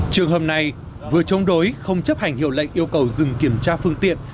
trường hợp này vừa chống đối không chấp hành hiệu lệnh yêu cầu dừng kiểm tra phương tiện